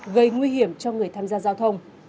gây nguy hiểm cho người tham gia giao thông